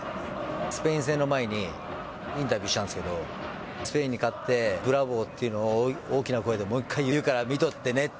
スペイン戦の前に、インタビューしたんですけど、スペインに勝って、ブラボーっていうのを、大きな声でもう一回言うから見とってねって。